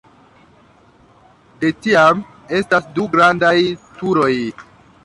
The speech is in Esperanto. De tiam estas du grandaj turoj.